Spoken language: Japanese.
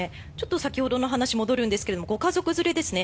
先ほどの話戻るんですがご家族連れですね